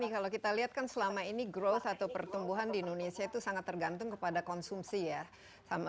kalau kita lihat kan selama ini growth atau pertumbuhan di indonesia itu sangat tergantung kepada konsumsi ya